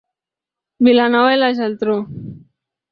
Vilanova i la Geltrú.